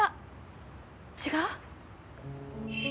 違う？